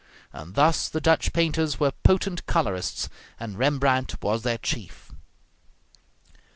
And thus the Dutch painters were potent colorists, and Rembrandt was their chief.